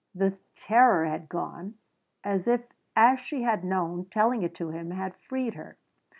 The terror had gone, as if, as she had known, telling it to him had freed her.